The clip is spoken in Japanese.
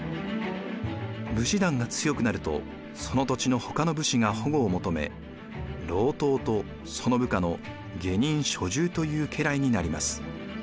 武士団が強くなるとその土地のほかの武士が保護を求め郎党とその部下の下人・所従という家来になります。